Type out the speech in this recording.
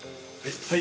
はい。